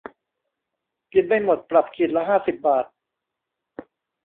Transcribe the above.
กินไม่หมด ปรับขีดละห้าสิบบาท